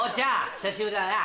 久しぶりだな。